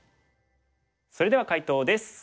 それでは解答です。